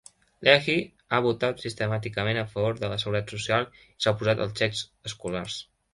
Leahy ha votat sistemàticament a favor de la Seguretat Social i s'ha oposat als xecs escolars.